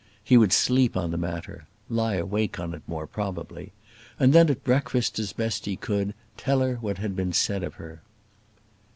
He would sleep on the matter lie awake on it, more probably and then at breakfast, as best he could, tell her what had been said of her.